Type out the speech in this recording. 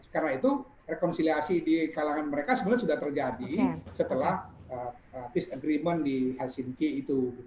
karena itu rekonsiliasi di kalangan mereka sebenarnya sudah terjadi setelah peace agreement di helsinki itu